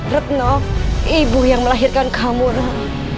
ratna ibu yang melahirkan kamu nak